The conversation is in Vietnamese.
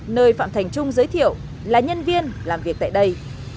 nơi phạm thành trung giới thiệu là nhân viên làm việc tại đây